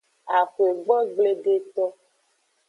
Axwegbogbledeto.